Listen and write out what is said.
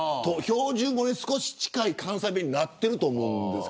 標準語に少し近い関西弁になっていると思うんです。